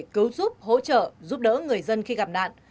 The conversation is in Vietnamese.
cứu giúp hỗ trợ giúp đỡ người dân khi gặp nạn